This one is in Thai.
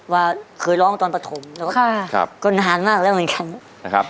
ว่าเคยร้องตอนปฐมเดี๋ยวก็นานมากแล้วเหมือนกัน